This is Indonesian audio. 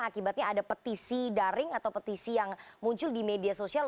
akibatnya ada petisi daring atau petisi yang muncul di media sosial